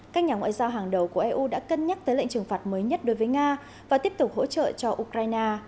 các nhà ngoại giao hàng đầu của eu đã cân nhắc tới lệnh trừng phạt mới nhất đối với nga và tiếp tục hỗ trợ cho ukraine